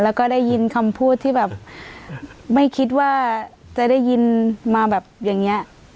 แล้วก็ได้ยินคำพูดที่แบบไม่คิดว่าจะได้ยินมาแบบอย่างนี้